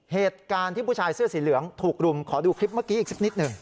เหตุการณ์ที่ผู้ชายเสื้อสีเหลืองถูกรุมขอดูคลิปเมื่อกี้อีกสักนิดหนึ่ง